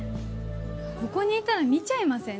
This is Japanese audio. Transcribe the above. ここにいたら見ちゃいません？